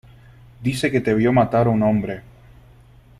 dice que te vio matar a un hombre .